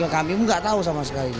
kami gak tau sama sekali